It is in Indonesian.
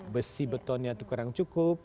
besi betonnya itu kurang cukup